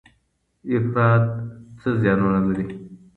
افراط څه زیانونه لري؟